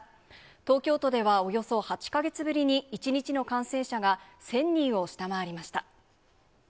東京都ではおよそ８か月ぶりに、１日の感染者が１０００人を下回りました。